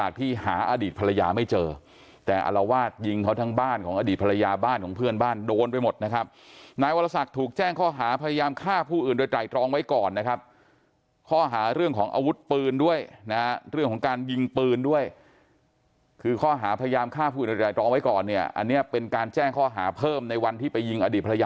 ที่หาอดีตภรรยาไม่เจอแต่อารวาสยิงเขาทั้งบ้านของอดีตภรรยาบ้านของเพื่อนบ้านโดนไปหมดนะครับนายวรศักดิ์ถูกแจ้งข้อหาพยายามฆ่าผู้อื่นโดยไตรตรองไว้ก่อนนะครับข้อหาเรื่องของอาวุธปืนด้วยนะเรื่องของการยิงปืนด้วยคือข้อหาพยายามฆ่าผู้อื่นรองไว้ก่อนเนี่ยอันนี้เป็นการแจ้งข้อหาเพิ่มในวันที่ไปยิงอดีตภรรยา